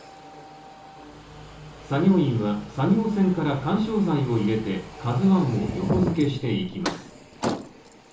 作業員は作業船から緩衝材を入れて、「ＫＡＺＵ１」を横付けしていきます。